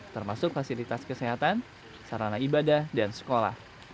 termasuk fasilitas kesehatan sarana ibadah dan sekolah